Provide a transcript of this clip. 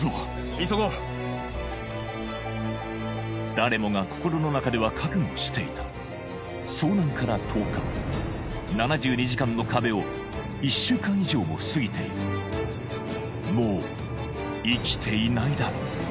誰もが心の中では覚悟していた遭難から１０日７２時間の壁を１週間以上も過ぎているもう生きていないだろう